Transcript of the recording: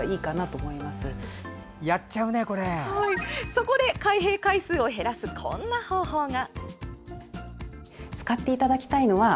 そこで、開閉回数を減らすこんな方法が。